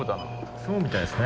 そうみたいですね。